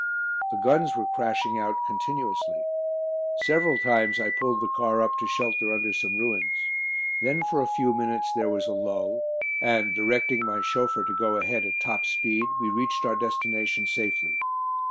The guns were crashing out continuously. Several times I pulled the car up to shelter under some ruins. Then for a few minutes there was a lull, and directing my chauffeur to go ahead at top speed we reached our destination safely.